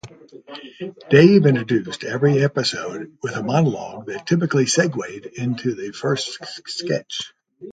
Dave introduced every episode with a monologue that typically segued into the first sketch.